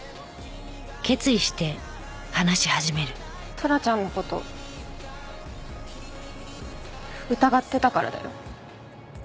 トラちゃんの事疑ってたからだよ。